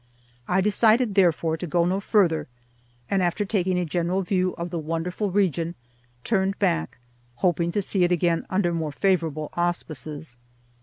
I decided therefore to go no farther, and, after taking a general view of the wonderful region, turned back, hoping to see it again under more favorable auspices.